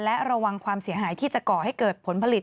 และระวังความเสียหายที่จะก่อให้เกิดผลผลิต